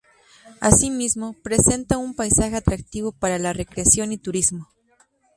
Asimismo, presenta un paisaje atractivo para la recreación y turismo.